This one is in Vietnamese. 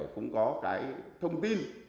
cũng có cái thông tin